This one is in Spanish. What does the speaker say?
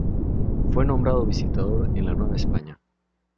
Fue nombrado visitador en la Nueva España.